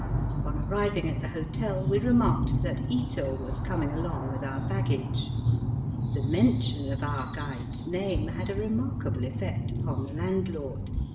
On arriving at the hotel we remarked that Ito was coming along with our baggage. The mention of our guide's name had a remarkable effect upon the landlord.